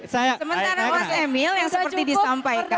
sementara mas emil yang seperti disampaikan